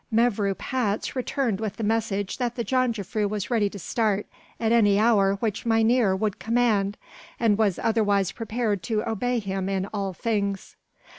Mevrouw Patz returned with the message that the jongejuffrouw was ready to start at any hour which Mynheer would command and was otherwise prepared to obey him in all things.